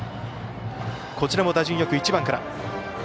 こちらも打順よく１番から。